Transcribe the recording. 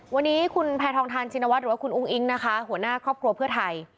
วันนี้คุณแพทองทานชินวัฒน์หรือว่าคุณอุ้งอิ๊งนะคะหัวหน้าครอบครัวเพื่อไทย